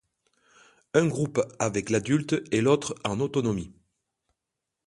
Un groupe avec l'adulte et l'autre en autonomie.